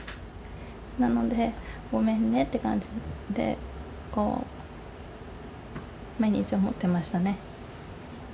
なので、ごめんねって感じで、毎日思ってましたね。